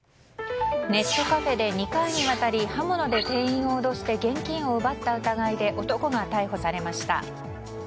ネットカフェで２回にわたり刃物で店員を脅して現金を奪った疑いで男が逮捕されました。